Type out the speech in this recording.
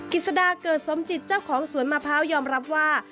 กิจสดาเกิดสมจิตเจ้าของสวนมะพร้าวยอมรับว่า